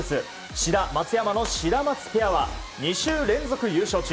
志田、松山のシダマツペアは２週連続優勝中。